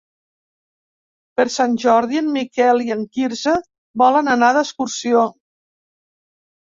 Per Sant Jordi en Miquel i en Quirze volen anar d'excursió.